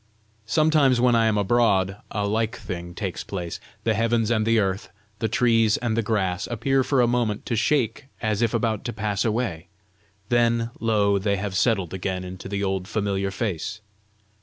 Sometimes when I am abroad, a like thing takes place; the heavens and the earth, the trees and the grass appear for a moment to shake as if about to pass away; then, lo, they have settled again into the old familiar face!